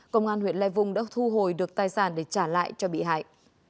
công an huyện lai vung đã thu hồi được tài sản để trả lại cho bị hại